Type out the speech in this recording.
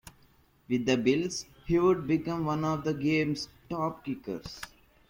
With the Bills, he would become one of the game's top kickers.